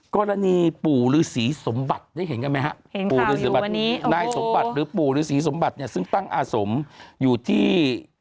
กรณีปู่ฤษีสมบัติได้เห็นไหมฮะระดับนี้นะสมบัติปู่ฤษีสมบัติรับซึ่งตั้งอาสมอยู่ที่